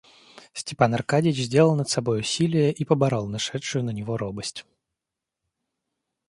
Степан Аркадьич сделал над собой усилие и поборол нашедшую на него робость.